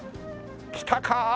きたかー？